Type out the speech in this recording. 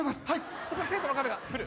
そこに生徒の岡部が来る。